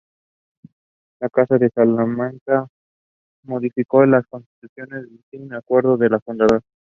La casa de Salamanca modificó las constituciones sin el acuerdo de la fundadora.